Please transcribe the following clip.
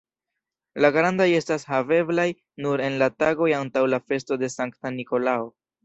La grandaj estas haveblaj nur en la tagoj antaŭ la festo de Sankta Nikolao.